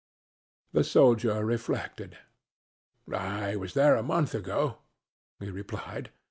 The soldier reflected. "I was there a month ago," he replied.